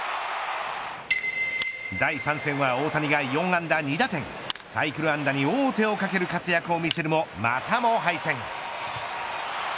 第３戦は大谷が４安打２打点サイクル安打に王手をかける活躍を見せるもまたも敗戦。